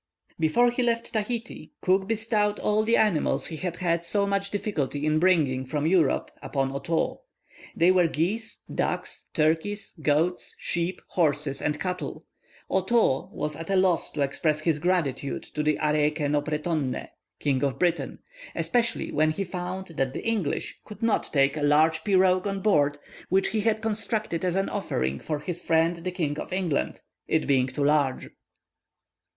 Before he left Tahiti, Cook bestowed all the animals he had had so much difficulty in bringing from Europe upon Otoo. They were geese, ducks, turkeys, goats, sheep, horses, and cattle. Otoo was at a loss to express his gratitude to the "Areeke no Pretonne," (King of Britain) especially when he found that the English could not take a large pirogue on board which he had constructed as an offering for his friend the King of England, it being too large.